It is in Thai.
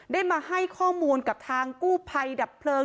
ได้มาให้ข้อมูลกับทางกู้ภัยดับเพลิง